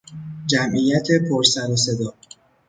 جمعیت پر سر و صدا